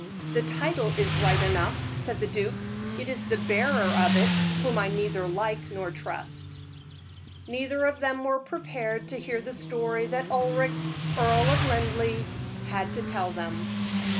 "The title is right enough," said the duke; "it is the bearer of it whom I neither like nor trust." Neither of them were prepared to hear the story that Ulric, Earl of Linleigh, had to tell them.